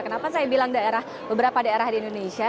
kenapa saya bilang beberapa daerah di indonesia